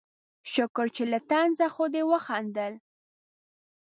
شکر چې له طنزه خو دې وخندل